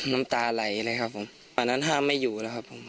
น้ำตาไหลเลยครับผมตอนนั้นห้ามไม่อยู่แล้วครับผม